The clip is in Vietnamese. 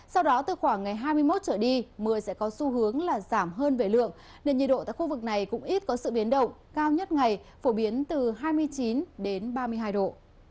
sau đó từ khoảng ngày hai mươi một trở đi mưa sẽ có xu hướng là giảm hơn về lượng nên nhiệt độ tại khu vực này cũng ít có sự biến động cao nhất ngày phổ biến từ hai mươi chín đến ba mươi hai độ